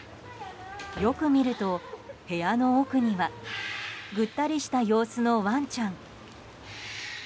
よく見ると、部屋の奥にはぐったりした様子のワンちゃん。